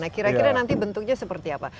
nah kira kira nanti bentuknya seperti apa